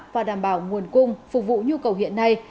và đảm bảo nguồn cung phục vụ nhu cầu hiện nay